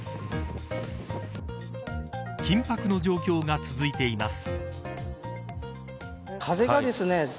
緊迫の状況が続いています。